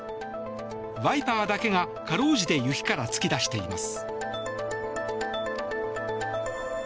ワイパーだけが、かろうじて雪から突き出しています。